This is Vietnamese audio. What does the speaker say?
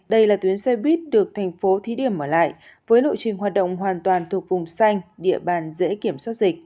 đây là tuyến xe buýt được thành phố thí điểm ở lại với lộ trình hoạt động hoàn toàn thuộc vùng xanh địa bàn dễ kiểm soát dịch